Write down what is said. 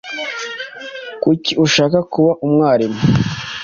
Kuki ushaka kuba umwarimu?